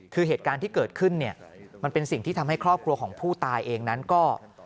คือเหตุการณ์ที่เกิดขึ้นเนี่ยมันเป็นสิ่งที่ทำให้ครอบครัวของผู้ตายเองนั้นก็